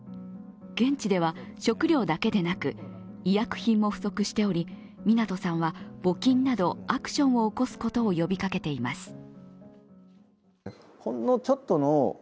現地では食料だけでなく医薬品も不足しており湊さんは募金などアクションを起こすことを呼びかけています。